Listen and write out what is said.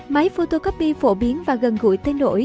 máy photocopy phổ biến và gần gũi tới nỗi